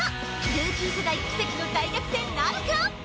ルーキー世代奇跡の大逆転なるか？